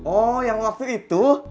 oh yang waktu itu